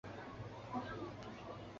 率领所部开赴俄国内战东线作战。